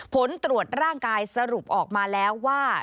ผลตรวจร่างกายสรุปออกมาแล้วว่า